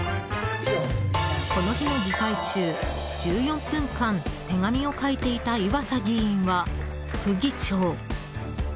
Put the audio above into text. この日の議会中、１４分間手紙を書いていた岩佐議員は副議長。